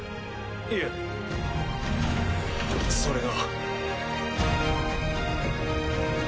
いえそれが。